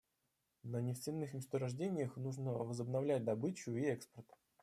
На нефтяных месторождениях нужно возобновлять добычу и экспорт.